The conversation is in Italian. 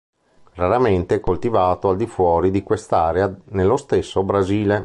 Raramente è coltivato al di fuori di quest' area nello stesso Brasile.